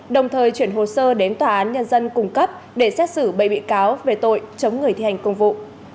đồng thời chuyển hồ sơ đến tòa án nhân dân cung cấp để xét xử bảy bị cáo về tội chống người thi hành công vụ